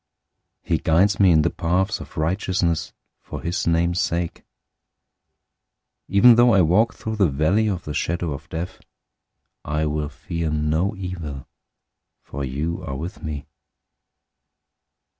He guides me in the paths of righteousness for his name's sake. 023:004 Even though I walk through the valley of the shadow of death, I will fear no evil, for you are with me.